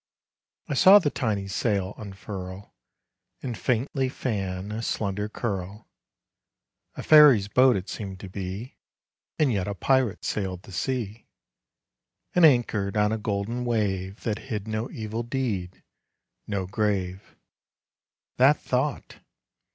I saw the tiny sail unfurl, And faintly fan a slender curl. A fairy's boat it seemed to be, And yet a pirate sailed the sea, And anchored on a golden wave That hid no evil deed no grave. That thought!